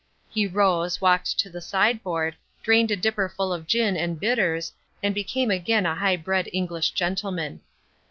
He rose, walked to the sideboard, drained a dipper full of gin and bitters, and became again a high bred English gentleman.